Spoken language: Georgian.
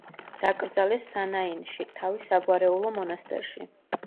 დაკრძალეს სანაინში, თავის საგვარეულო მონასტერში.